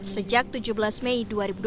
sejak tujuh belas mei dua ribu dua puluh